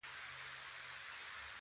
لمر هم تود و.